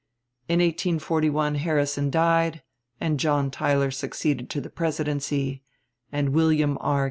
In 1841 Harrison died and John Tyler succeeded to the presidency, and William R.